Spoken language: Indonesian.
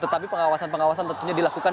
tetapi pengawasan pengawasan tentunya dilakukan